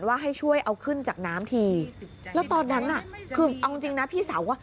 ว่าให้ช่วยเอาขึ้นจากน้ำทีแล้วตอนนั้นน่ะคือเอาจริงจริงนะพี่สาวอ่ะ